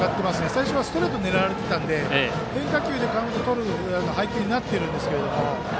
最初はストレートを狙われていたので変化球でカウントをとる配球になっていますが。